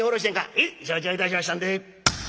「へえ承知をいたしましたんで」。